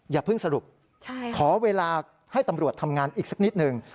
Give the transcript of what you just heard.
อย่าเพิ่งสรุปขอเวลาให้ตำรวจทำงานอีกสักนิดหนึ่ง